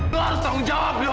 lo harus tanggung jawab yo